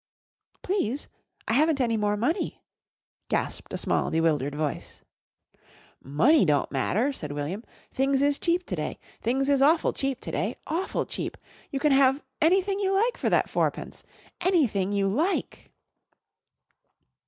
"Please, I haven't any more money," gasped a small, bewildered voice. "Money don't matter," said William. "Things is cheap to day. Things is awful cheap to day. Awful cheap! You can have anythin' you like for that fourpence. Anythin' you like."